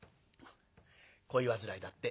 「恋煩いだって」。